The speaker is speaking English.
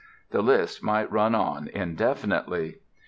The list might run on indefinitely!